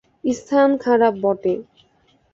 স্থান খারাপ বটে।